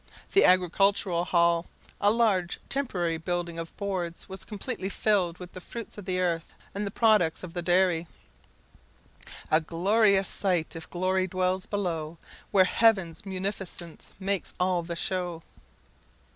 The Agricultural Hall, a large, temporary building of boards, was completely filled with the fruits of the earth and the products of the dairy "A glorious sight, if glory dwells below, Where heaven's munificence makes all the show."